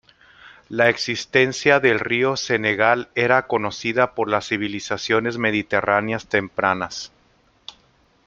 La existencia del río Senegal era conocida por las civilizaciones mediterráneas tempranas.